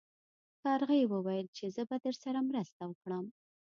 کارغې وویل چې زه به درسره مرسته وکړم.